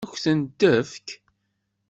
Ad k-tent-tefk?